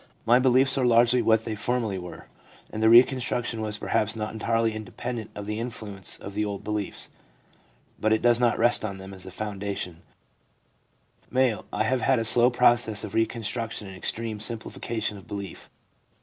My beliefs are largely what they formerly were, and the reconstruction was perhaps not entirely independent of the influence of the old beliefs ; but it does not rest on them as a foundation/ M. * I have had a slow process of construction and extreme simplification of belief.